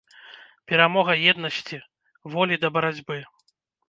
Перамога еднасці, волі да барацьбы.